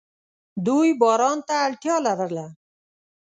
دوی باران ته اړتیا لرله.